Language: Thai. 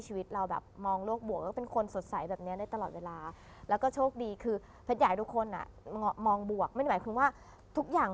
ชีวิตเราแบบมองลวกบวก